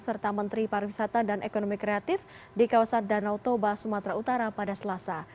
serta menteri pariwisata dan ekonomi kreatif di kawasan danau toba sumatera utara pada selasa